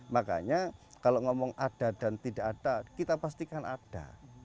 makanya kalau ngomong ada dan tidak ada kita pastikan ada